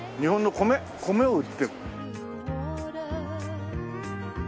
米を売ってる。